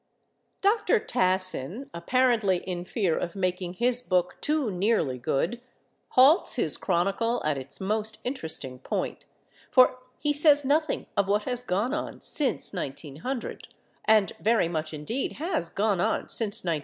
Dr. Tassin, apparently in fear of making his book too nearly good, halts his chronicle at its most interesting point, for he says nothing of what has gone on since 1900—and very much, indeed, has gone on since 1900.